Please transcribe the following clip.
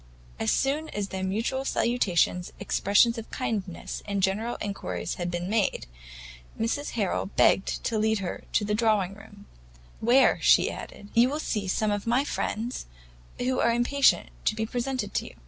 As soon as their mutual salutations, expressions of kindness, and general inquiries had been made, Mrs Harrel begged to lead her to the drawing room, "where," she added, "you will see some of my friends, who are impatient to be presented to you."